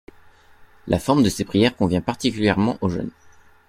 La forme de ces prières convient particulièrement aux jeunes.